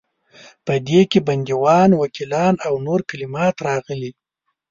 په دې کې بندیوان، وکیلان او نور کلمات راغلي.